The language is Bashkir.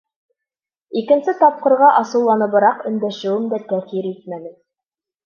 Икенсе тапҡырға асыуланыбыраҡ өндәшеүем дә тәьҫир итмәне.